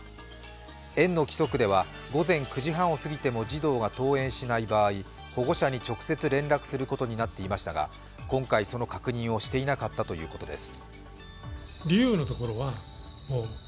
園の規則では、午前９時半を過ぎても児童が登園しない場合保護者に直接連絡することになっていましたが今回その確認をしていなかったということです。